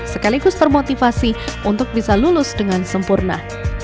sekaligus bermotivasi untuk bisa lolos dengan sempurna